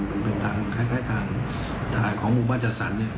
มันเป็นทางคล้ายทางทหารของบุคบาทจัดสรรเนี่ย